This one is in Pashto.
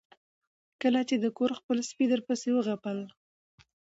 کله چې د خپل کور سپي درپسې وغپل